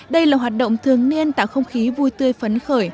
đây là hoạt động thường niên tạo không khí vui tươi phấn khởi